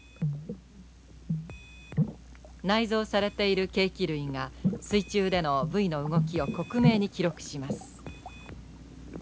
内蔵されている計器類が水中でのブイの動きを克明に記録します。